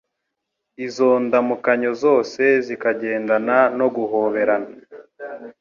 Izo ndamukanyo zose zikagendana no guhoberana